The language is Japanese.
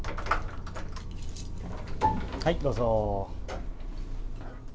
はい、どうぞ。